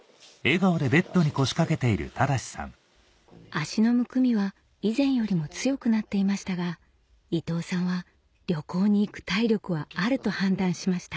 脚のむくみは以前よりも強くなっていましたが伊藤さんは旅行に行く体力はあると判断しました